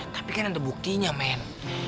tapi kan ada buktinya men